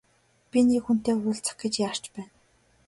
Би нэг хүнтэй уулзах гэж яарч байна.